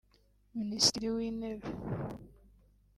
Minisitiri w’Intebe